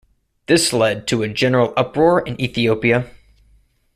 This led to a general uproar in Ethiopia.